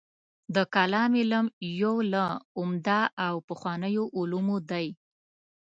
د کلام علم یو له عمده او پخوانیو علومو دی.